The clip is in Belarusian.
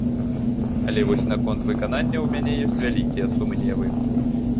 Але вось наконт выканання ў мяне ёсць вялікія сумневы.